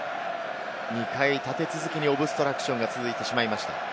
２回立て続けにオブストラクションが続いてしまいました。